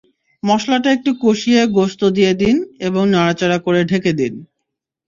মসলাটা একটু কষিয়ে গোশত দিয়ে দিন এবং নাড়াচাড়া করে ঢেকে দিন।